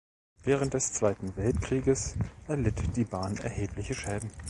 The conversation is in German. Während des Zweiten Weltkrieges erlitt die Bahn erhebliche Schäden.